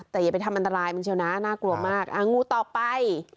แต่อย่าไปทำอันตรายมันเชียวนะน่ากลัวมากงูต่อไป